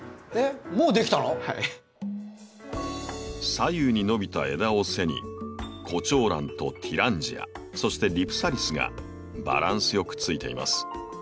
左右に伸びた枝を背にコチョウランとティランジアそしてリプサリスがバランス良くついています。